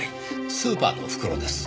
スーパーの袋です。